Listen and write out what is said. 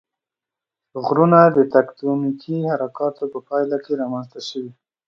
غرونه د تکتونیکي حرکاتو په پایله کې رامنځته شوي.